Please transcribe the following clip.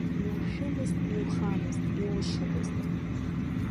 Иушәымызт, иухамызт, иушьамызт.